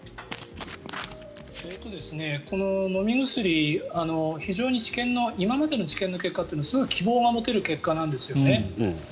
この飲み薬、非常に今までの治験の結果というのは希望が持てる結果なんですよね。